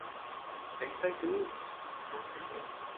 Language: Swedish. Jag hittar inte ut!